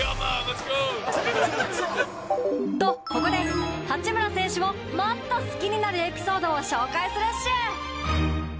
とここで八村選手をもっと好きになるエピソードを紹介するっシュ。